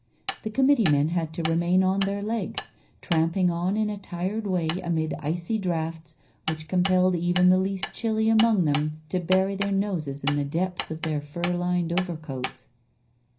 The committee men had to remain on their legs, tramping on in a tired way amid icy draughts, which compelled even the least chilly among them to bury their noses in the depths of their fur lined overcoats.